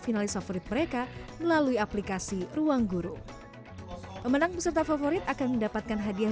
finalis favorit mereka melalui aplikasi ruang guru pemenang peserta favorit akan mendapatkan hadiah